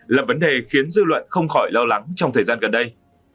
là vấn đề khiến dư luận không khỏi lo lắng trong thời gian gần đây